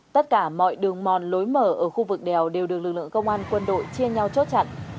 tất cả mọi đường mòn lối mở ở khu vực đèo đều được lực lượng công an quân đội chia nhau chốt chặn